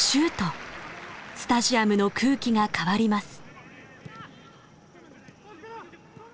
スタジアムの空気が変わります。